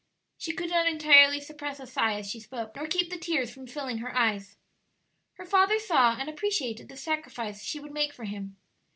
She could not entirely suppress a sigh as she spoke, nor keep the tears from filling her eyes. Her father saw and appreciated the sacrifice she would make for him.